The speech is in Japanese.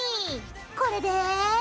これで。